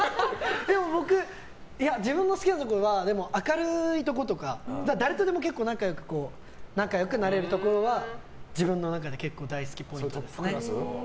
僕、自分の好きなところは明るいとことか誰とでも仲良くなれるところは自分の中で結構大好きポイントです。